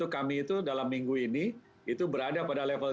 kami itu dalam minggu ini itu berada pada level tiga